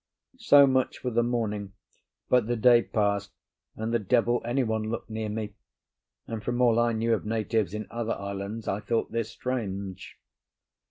So much for the morning, but the day passed and the devil anyone looked near me, and from all I knew of natives in other islands I thought this strange.